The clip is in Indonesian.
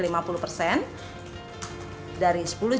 dari sepuluh juta rupiah